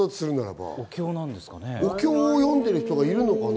お経を読んでる人がいるのかな？